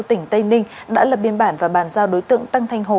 tỉnh tây ninh đã lập biên bản và bàn giao đối tượng tăng thanh hồ